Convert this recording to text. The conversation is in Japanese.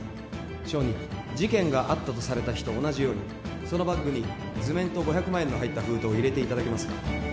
証人事件があったとされた日と同じようにそのバッグに図面と５００万円の入った封筒を入れていただけますか？